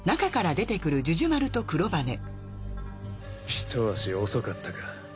ひと足遅かったか。